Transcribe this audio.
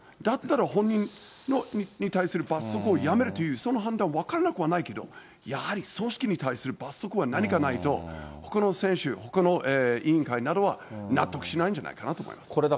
だったら本人に対する罰則をやめるというその判断は分からなくはないけど、やはり組織に対する罰則は何かないと、ほかの選手、ほかの委員会などは、納得しないんじゃないかなと思います。